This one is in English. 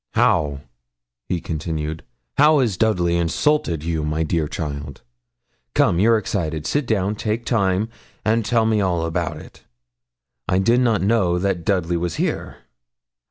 'How?' he continued; 'how has Dudley insulted you, my dear child? Come, you're excited; sit down; take time, and tell me all about it. I did not know that Dudley was here.'